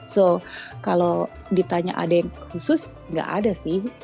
so kalau ditanya ada yang khusus nggak ada sih